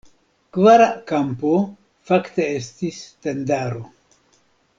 Kvara kampo fakte estis tendaro.